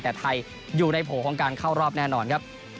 แต่ไทยอยู่ในโผล่ของการเข้ารอบแน่นอนครับ